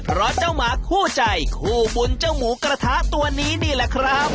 เพราะเจ้าหมาคู่ใจคู่บุญเจ้าหมูกระทะตัวนี้นี่แหละครับ